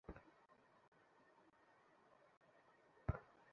সকলেই ভালোবাসে এই লজ্জাবতী ননির পুতুলটিকে।